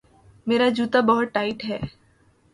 میرا جوتا بہت ٹائٹ ہے